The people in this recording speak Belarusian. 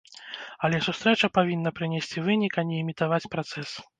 Але сустрэча павінна прынесці вынік, а не імітаваць працэс.